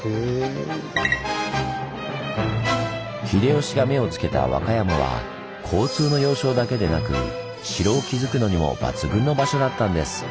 秀吉が目をつけた和歌山は交通の要衝だけでなく城を築くのにも抜群の場所だったんです。